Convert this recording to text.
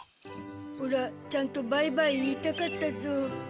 オラちゃんとバイバイ言いたかったゾ。